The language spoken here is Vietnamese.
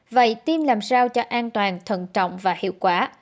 vậy tiêm làm sao cho an toàn thận trọng và hiệu quả